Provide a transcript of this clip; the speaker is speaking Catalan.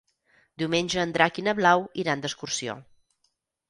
Diumenge en Drac i na Blau iran d'excursió.